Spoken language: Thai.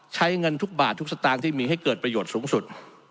ใช้เงินทุกบาททุกสตางค์ที่มีให้เกิดประโยชน์สูงสุด